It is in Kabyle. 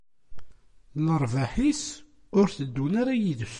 Lerbaḥ-is ur tteddun ara yid-s.